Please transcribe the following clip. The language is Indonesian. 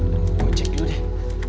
gue cek dulu deh